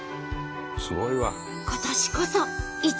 すごいわ。